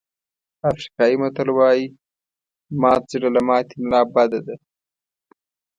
افریقایي متل وایي مات زړه له ماتې ملا بده ده.